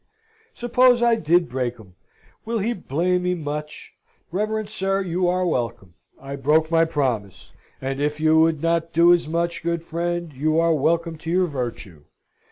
Suppose I did break 'em? Will he blame me much? Reverend sir, you are welcome. I broke my promise; and if you would not do as much, good friend, you are welcome to your virtue.